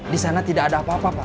di sana tidak ada apa apa pak